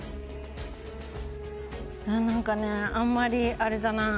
なんかねあんまりあれだな。